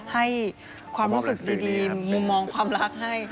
ให้ความรู้สึกดีมุมมองความรักให้